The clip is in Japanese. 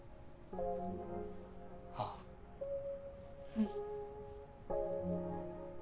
うん。